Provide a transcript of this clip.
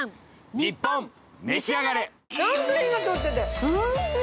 『ニッポンめしあがれ』。